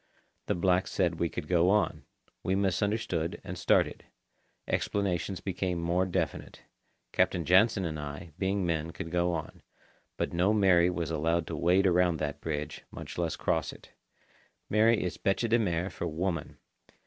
The blacks said we could go on. We misunderstood, and started. Explanations became more definite. Captain Jansen and I, being men, could go on. But no Mary was allowed to wade around that bridge, much less cross it. "Mary" is bêche de mer for woman.